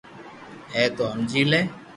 ھي تو ھمجي لي